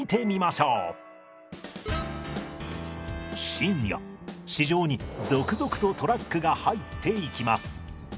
深夜市場に続々とトラックが入っていきます。